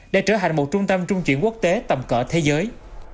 để trở thành một trung tâm trung chuyển quốc tế tầm cỡ thế giới